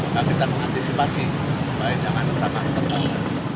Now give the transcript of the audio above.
maka kita mengantisipasi baik jangan terlalu terlalu